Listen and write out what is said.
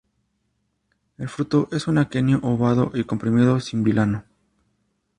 El fruto es un aquenio, obovado y comprimido, sin vilano.